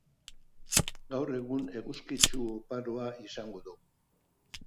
Gaur egun eguzkitsu oparoa izango dugu